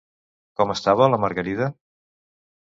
Com estava la Margarida?